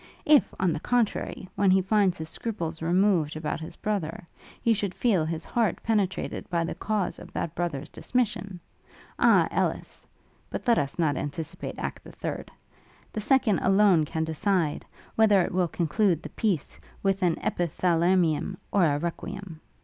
If, on the contrary, when he finds his scruples removed about his brother, he should feel his heart penetrated by the cause of that brother's dismission Ah Ellis! But let us not anticipate act the third. The second alone can decide, whether it will conclude the piece with an epithalamium or a requiem!'